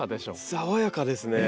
爽やかですね。